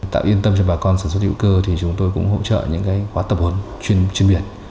tạo yên tâm cho bà con sản xuất hữu cơ thì chúng tôi cũng hỗ trợ những khóa tập huấn chuyên biệt